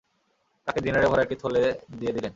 তাকে দিনারে ভরা একটি থলে দিয়ে দিলেন।